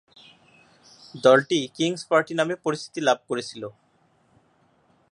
দলটি "Kings Party" নামে পরিচিতি লাভ করেছিল।